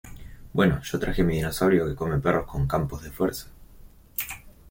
Bueno, yo traje mi dinosaurio que come perros con campos de fuerza.